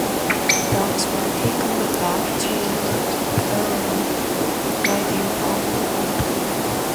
The dogs were taken back to Ireland by their owner.